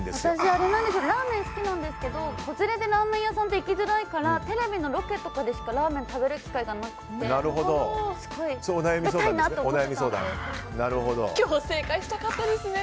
私、ラーメン好きなんですけど子連れでラーメン屋さんって行きづらいからテレビのロケとかでしかラーメン食べる機会がなくてすごい食べたいなとお悩み相談ですね。